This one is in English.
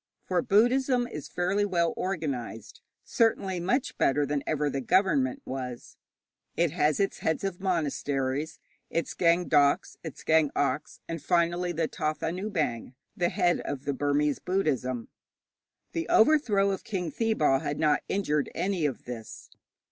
For Buddhism is fairly well organized certainly much better than ever the government was. It has its heads of monasteries, its Gaing dauks, its Gaing oks, and finally the Thathanabaing, the head of the Burmese Buddhism. The overthrow of King Thibaw had not injured any of this.